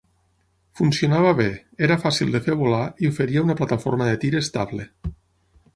Funcionava bé, era fàcil de fer volar i oferia una plataforma de tir estable.